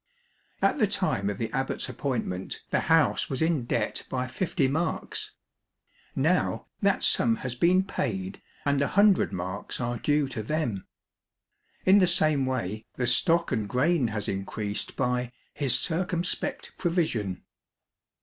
At the time of the abbot's appointment the house was in debt by fifty marks, now that sum has been paid and a hundred marks are due to them. In the same way the stock and grain has increased by " his circumspect pro vision."